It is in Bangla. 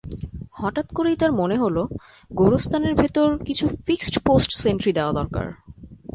হঠাৎ করেই তাঁর মনে হলো, গোরস্থানের ভেতর কিছু ফিক্সড পোস্ট সেন্ট্রি দেয়া দরকার।